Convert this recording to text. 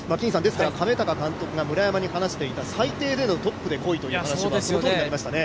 亀鷹監督が村山に話していた最低でもトップで来いというのが実現しましたね。